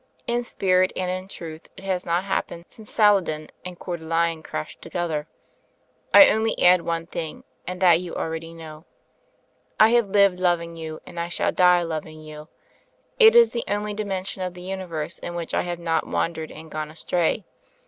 In spirit and in truth it has not happened since Saladin and Cceur de Lion crashed together. I only add one thing, and that you know already. I have lived lov ing you and I shall die loving you. It is the only dimension of the Universe in which I have not wan dered and gone astray.